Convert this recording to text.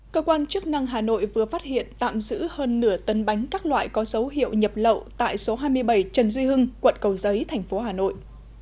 cơ quan chức năng hà nội vừa phát hiện tạm giữ hơn nửa tấn bánh các loại có dấu hiệu nhập lậu tại số hai mươi bảy trần duy hưng quận cầu giấy thành phố hà nội